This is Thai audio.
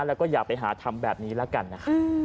แล้วก็อย่าไปหาทำแบบนี้แล้วกันนะคะ